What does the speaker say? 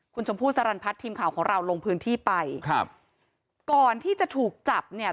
คุณชมพู่สรรพัฒน์ทีมข่าวของเราลงพื้นที่ไปครับก่อนที่จะถูกจับเนี่ย